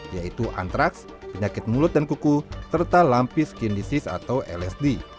yaitu antraks penyakit mulut dan kuku serta lampi skin disease atau lsd